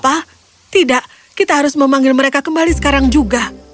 apa tidak kita harus memanggil mereka kembali sekarang juga